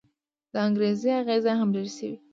د انګرېزي اغېز هم ډېر شوی.